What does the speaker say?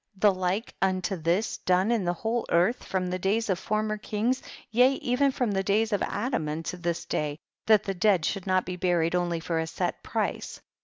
the like unto this done in the whole earth, from the days of former kings t/ea even from the days of Adam, unto this day, that the dead should not be buried onl}^ for a set price